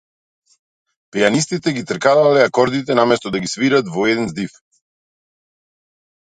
Пијанистите ги тркалалале акордите, наместо да ги свират во еден здив.